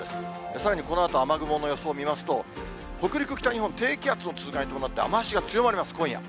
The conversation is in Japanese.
さらにこのあと雨雲の予想を見ますと、北陸、北日本、低気圧の通過に伴って、雨足が強まります、今夜。